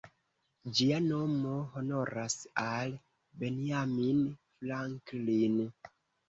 Ĝia nomo honoras al Benjamin Franklin.